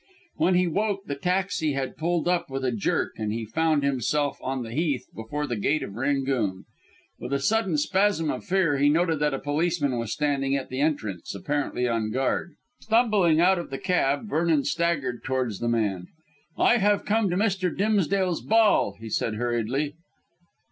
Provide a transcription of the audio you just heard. When he woke the taxi had pulled up with a jerk, and he found himself on the Heath before the gate of "Rangoon." With a sudden spasm of fear he noted that a policeman was standing at the entrance, apparently on guard. Stumbling out of the cab, Vernon staggered towards the man. "I have come to Mr. Dimsdale's ball," he said hurriedly.